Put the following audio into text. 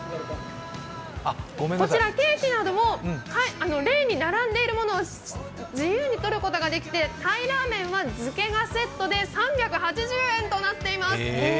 こちらケーキなどもレーンに並んでいるものを自由にとることができて鯛ラーメンは漬けがセットで３８０円となっています。